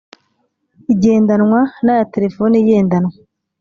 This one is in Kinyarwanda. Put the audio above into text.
Igendanwa n aya telefoni igendanwa